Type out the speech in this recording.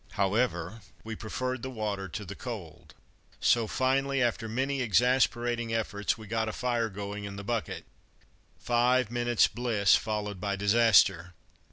However, we preferred the water to the cold; so, finally, after many exasperating efforts, we got a fire going in the bucket. Five minutes' bliss followed by disaster.